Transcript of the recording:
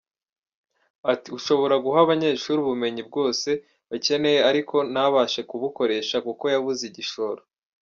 Ati”Ushobora guha abanyeshuri ubumenyi bwose bakeneye, ariko ntabashe kubukoresha kuko yabuze igishoro.